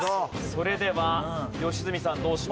それでは良純さんどうしますか？